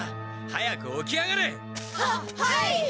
早く起き上がれ！ははい！